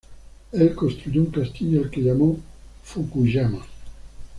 Él construyó un castillo al que llamó Fukuyama.